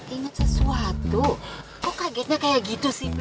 inget sesuatu kok kagetnya kayak gitu sih pi